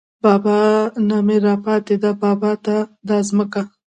بابا نه مې راپاتې ده بابا ته ده دا ځمکه